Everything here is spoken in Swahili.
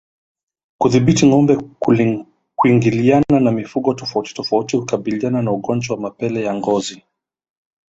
Kudhibiti ngombe kuingiliana na mifugo tofautitofauti hukabiliana na ugonjwa wa mapele ya ngozi